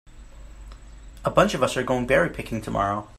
A bunch of us are going berry picking tomorrow.